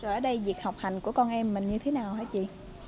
ở đây việc học hành của con em mình như thế nào hả chị